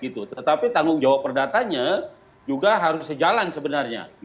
tetapi tanggung jawab perdatanya juga harus sejalan sebenarnya